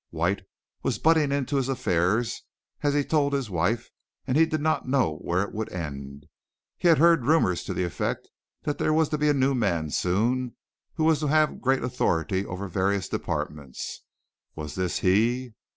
White was "butting into his affairs," as he told his wife, and he did not know where it would end. He had heard rumors to the effect that there was to be a new man soon who was to have great authority over various departments. Was this he?